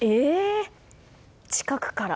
近くから。